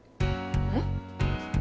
えっ？